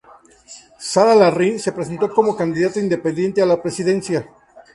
Sara Larraín se presentó como candidata independiente a la presidencia.